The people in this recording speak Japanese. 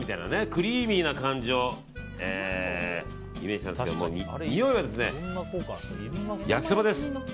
クリーミーな感じをイメージしたんですけどにおいは焼きそばです。